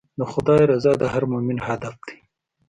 د خدای رضا د هر مؤمن هدف دی.